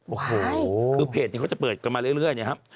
โอ้โหคือเพจนี้เขาจะเปิดกันมาเรื่อยนะครับ